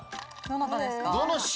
どなたですか？